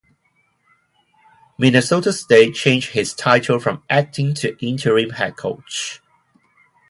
Minnesota State changed his title from "acting" to "interim" head coach.